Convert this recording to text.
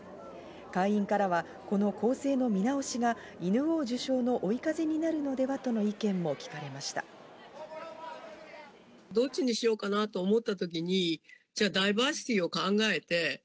会員からはこの構成の見直しが『犬王』受賞の追い風になるのではとの意見も聞かれました。